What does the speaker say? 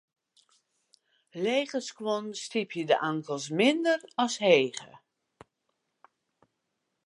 Lege skuon stypje de ankels minder as hege.